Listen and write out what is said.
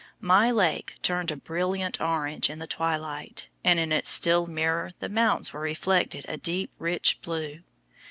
My lake turned a brilliant orange in the twilight, and in its still mirror the mountains were reflected a deep rich blue.